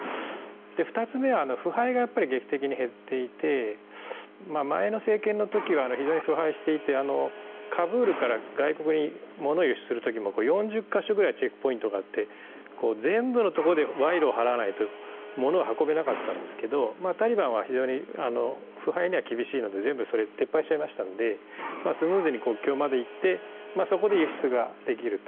２つ目は腐敗が劇的に減っていて前の政権の時は非常に腐敗していてカブールから外国にものを輸出する時も４０か所ぐらいチェックポイントがあって全部のところで賄賂を払わないとものを運べなかったんですがタリバンは非常に腐敗には厳しいので全部それを撤廃しましたのでスムーズに国境まで行って輸出ができると。